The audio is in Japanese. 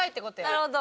なるほど。